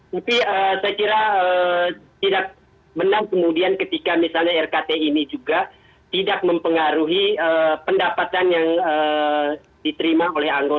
tapi saya kira tidak menang kemudian ketika misalnya rkt ini juga tidak mempengaruhi pendapatan yang diterima oleh anggota